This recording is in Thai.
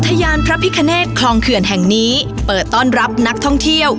ทยานพระพิคเนตคลองเขื่อนแห่งนี้เปิดต้อนรับนักท่องเที่ยว